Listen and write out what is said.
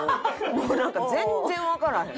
もうなんか全然わからへん。